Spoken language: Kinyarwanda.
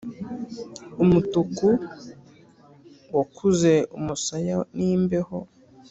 umutuku wakuze umusaya n'imbeho,